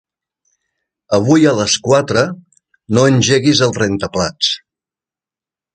Avui a les quatre no engeguis el rentaplats.